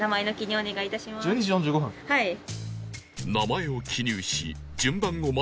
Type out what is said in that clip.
はい。